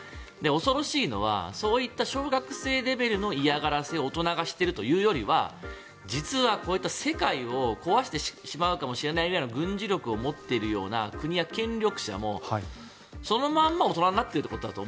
恐ろしいのは小学生レベルの嫌がらせを大人がしているというよりは実はこういった世界を壊してしまうかもしれないぐらいの軍事力を持っているような国や権力者もそのまま大人になっていると。